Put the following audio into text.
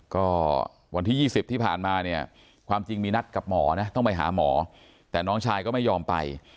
ก็วันที่๒๐ที่ผ่านมาเนี่ยความจริงมีนัดกับหมอนะต้องไปหาหมอแต่น้องชายก็ไม่ยอมไป